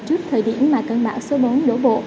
trước thời điểm mà cơn bão số bốn đổ bộ